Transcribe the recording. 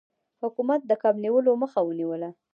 حکومت د کب نیولو مخه ونیوله.